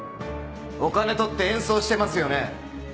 お金取って演奏してますよね。